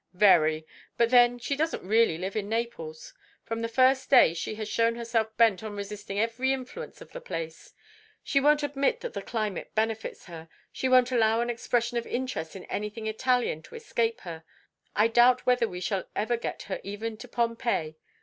"Very. But then she doesn't really live in Naples. From the first day she has shown herself bent on resisting every influence of the place. She won't admit that the climate benefits her; she won't allow an expression of interest in anything Italian to escape her. I doubt whether we shall ever get her even to Pompeii.